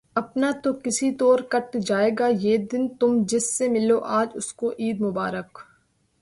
اپنا تو کسی طور کٹ جائے گا یہ دن، تم جس سے ملو آج اس کو عید مبارک